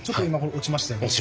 落ちましたね。